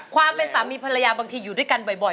ความเป็นสามีภรรยาบางทีอยู่ด้วยกันบ่อย